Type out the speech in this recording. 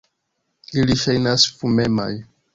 Ili ŝajnas fumemaj.